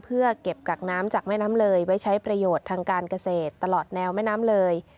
เพื่อเก็บกักน้ำจากแม่น้ำเลยไว้ใช้ประโยชน์ทางการเกษตรตลอดแนวแม่น้ำเลย